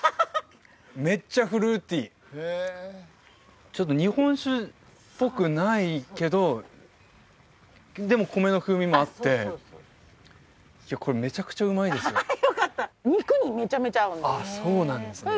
めっちゃフルーティーちょっと日本酒っぽくないけどでも米の風味もあってこれめちゃくちゃうまいですよよかったそうなんですね